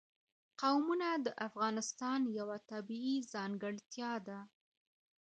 قومونه د افغانستان یوه طبیعي ځانګړتیا ده.